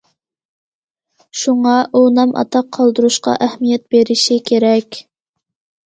شۇڭا، ئۇ نام- ئاتاق قالدۇرۇشقا ئەھمىيەت بېرىشى كېرەك.